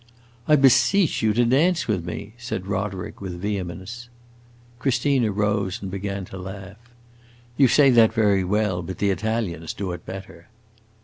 "I beseech you to dance with me!" said Roderick, with vehemence. Christina rose and began to laugh. "You say that very well, but the Italians do it better."